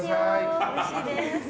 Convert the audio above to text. おいしいですよー。